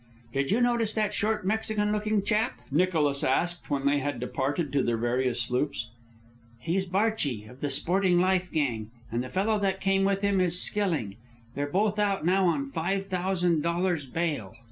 "Did you notice that short, Mexican looking chap?" Nicholas asked, when they had departed to their various sloops. "He's Barchi, of the Sporting Life Gang, and the fellow that came with him is Skilling. They're both out now on five thousand dollars' bail."